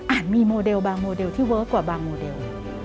อาจมีบางโมเดลที่เวิร์กกว่าบางโมเดล